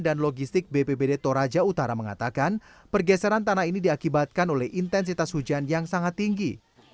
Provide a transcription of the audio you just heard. dan logistik bppd toraja utara mengatakan pergeseran tanah ini diakibatkan oleh intensitas hujan yang sangat tinggi